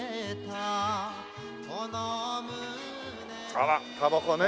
あらたばこね。